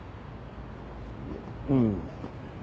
うん。